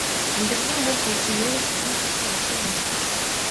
Амьдралын мөр хөөсөн нээрээ ч бурханд сүсэгтэй ядуу хүмүүс бий.